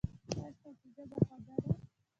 ایا ستاسو ژبه خوږه ده؟